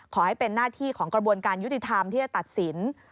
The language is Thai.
ขอให้เป็นหน้าที่ของกระบวนการยุติธรรมที่จะตัดสิน